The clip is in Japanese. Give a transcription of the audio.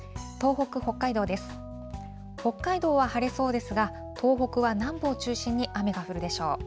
北海道は晴れそうですが、東北は南部を中心に雨が降るでしょう。